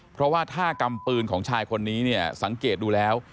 เพราะว่าท่ากรรมปืนของชายคนนี้เนี่ยสังเกตดูแล้ว